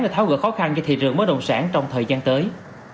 để tháo gỡ khó khăn cho thị trường bất động sản trong thời gian tới